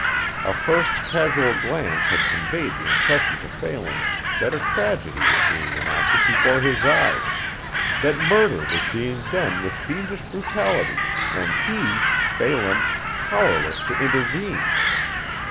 A first casual glance had conveyed the impression to Phelan that a tragedy was being enacted before his eyes that murder was being done with fiendish brutality, and he Phelan powerless to intervene.